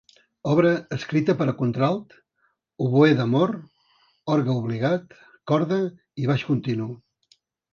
Obra escrita per a contralt, oboè d’amor, orgue obligat, corda i baix continu.